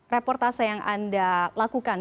reportase yang anda lakukan